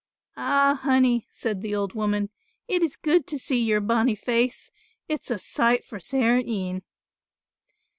"Ah, Honey," said the old woman, "it is good to see your bonnie face, it's a sight for sair een."